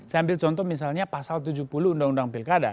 saya ambil contoh misalnya pasal tujuh puluh undang undang pilkada